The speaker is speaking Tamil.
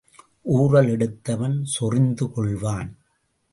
ஊறல் எடுத்தவன் சொறிந்து கொள்வான்.